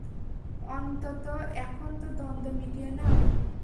অন্তত এখন তো দ্বন্দ্ব মিটিয়ে নাও?